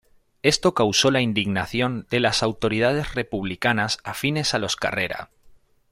Esto causo la indignación de las autoridades republicanas afines a los Carrera.